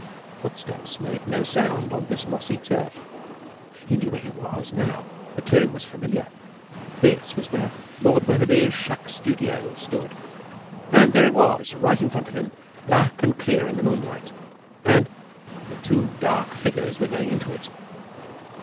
Footsteps made no sound on this mossy turf. He knew where he was now; the clearing was familiar. This was where Lord Wetherby's shack studio stood; and there it was, right in front of him, black and clear in the moonlight. And the two dark figures were going into it.